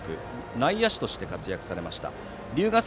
内野手として活躍されました。